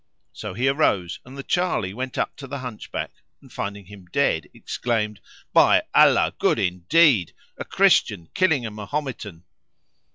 So he arose and the Charley went up to the Hunchback and finding him dead, exclaimed, "By Allah, good indeed! A Christian killing a Mahometan!"